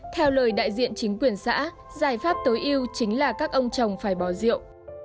theo lời đại diện chính quyền xã giải pháp tối ưu chính là các ông chồng phải bỏ rượu